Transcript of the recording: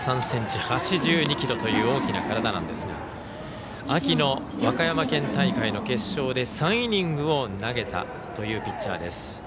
１ｍ８３ｃｍ、８２ｋｇという大きな体なんですが秋の和歌山県大会の決勝で３イニングを投げたというピッチャーです。